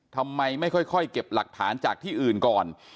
ทำไมไม่ค่อยเก็บหลักฐานจากที่อื่นก่อน